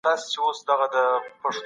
پرمختللي هېوادونه په څېړنو کي مخکې دي.